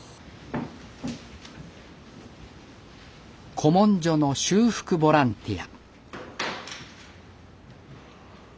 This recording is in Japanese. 古文書の修復ボランティア。